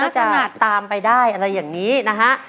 ขนาดตามไปได้อะไรอย่างนี้นะฮะ